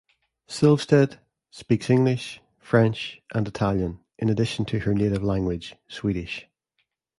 Silvstedt speaks English, French, and Italian, in addition to her native language Swedish.